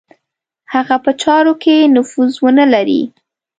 هغه په چارو کې نفوذ ونه لري.